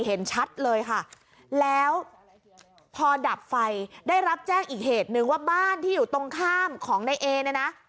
เห็นชัดเลยค่ะแล้วพอดับไฟได้รับแจ้งอีกเหตุนึงว่าบ้านที่อยู่ตรงข้ามของในเอเนี่ยนะ